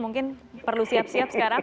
mungkin perlu siap siap sekarang